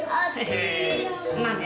kayaknya lalera nih